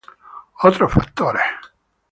otros factores